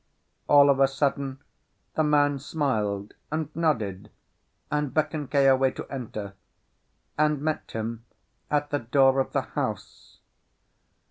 All of a sudden, the man smiled and nodded, and beckoned Keawe to enter, and met him at the door of the house.